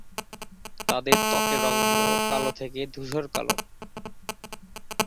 তাদের ত্বকের রঙ হল কালো থেকে ধূসর কালো।